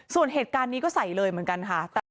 ส่วนเหตุการณ์นี้ก็ใส่เลยเหมือนกันค่ะ